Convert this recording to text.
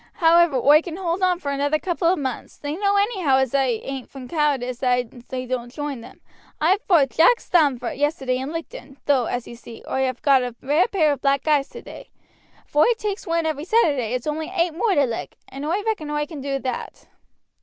However, oi can hold on for another couple of months; they know anyhow as it ain't from cowardice as I doan't join them. I fowt Jack Standfort yesterday and licked un; though, as you see, oi 'ave got a rare pair of black eyes today. If oi takes one every Saturday it's only eight more to lick, and oi reckon oi can do that."